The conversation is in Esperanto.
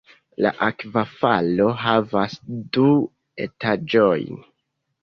La akvofalo havas du etaĝojn.